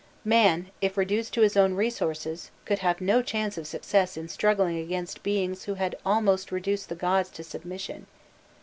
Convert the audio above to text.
Man, if reduced to his own resources, could have no chance of success in struggling against beings who had almost reduced the gods to submission.